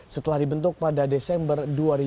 setelah dibentuk pada desember dua ribu enam belas